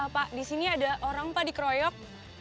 pak di sini ada orang pak dikeroyok